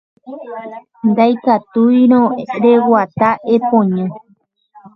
Ndaikatúirõ reguata, epoñy